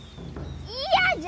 嫌じゃ！